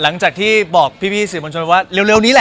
กลับข่าวที่เกิดขึ้นนิดหนึ่ง